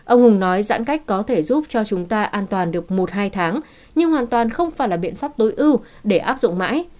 ông hùng nói giãn cách có thể giúp cho chúng ta an toàn được một hai tháng nhưng hoàn toàn không phải là biện pháp tối ưu để áp dụng mãi